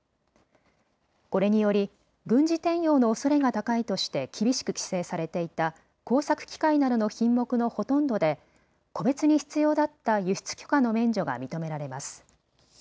これにより軍事転用のおそれが高いとして厳しく規制されていた工作機械などの品目のほとんどで個別に必要だった輸出許可の免除が認められます。